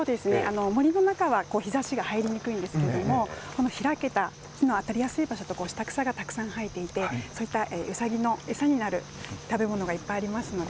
森の中は日ざしが入りにくいんですけども開けた日の当たりやすいところは下草がたくさん生えているのでウサギの餌になる食べ物がいっぱいありますので。